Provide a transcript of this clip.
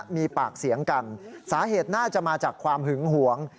มีปากเสียงกันสาเหตุน่าจะมาจากความหึงหวง